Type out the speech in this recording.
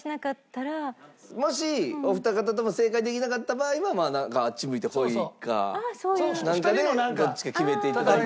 もしお二方とも正解できなかった場合はまあなんかあっち向いてホイかなんかでどっちか決めて頂いて。